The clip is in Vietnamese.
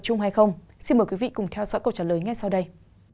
nói chung hay không xin mời quý vị cùng theo dõi câu trả lời ngay sau đây